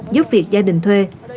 giúp việc gia đình thuê